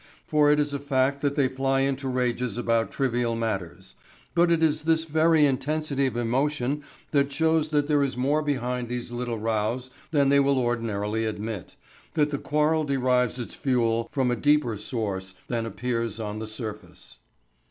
For it is a fact that they fly into rages about trivial matters. But it is this very intensity of emotion that shows that there is more behind these little rows than they will ordinarily admit, that the quarrel derives its fuel from a deeper source than appears on the surface.